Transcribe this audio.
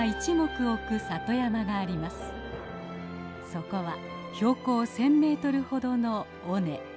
そこは標高１，０００メートルほどの尾根。